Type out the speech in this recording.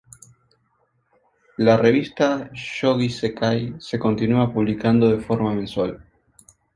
La revista "Shōgi Sekai" se continúa publicando de forma mensual.